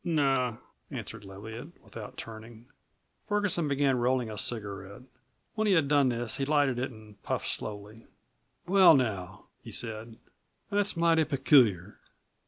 "No," answered Leviatt, without turning. Ferguson began rolling a cigarette. When he had done this he lighted it and puffed slowly. "Well, now," he said, "that's mighty peculiar.